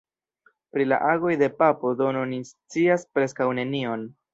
Pri la agoj de papo Dono ni scias preskaŭ nenion.